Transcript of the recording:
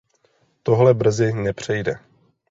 Tohle brzy nepřejde.